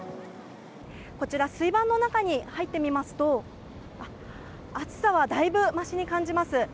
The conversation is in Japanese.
こちら水盤の中に入ってみますと暑さはだいぶましに感じます。